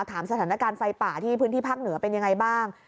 สถานการณ์ไฟป่าที่พื้นที่ภาคเหนือเป็นยังไงบ้าง